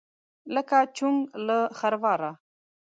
لکه: چونګ له خرواره.